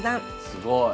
すごい。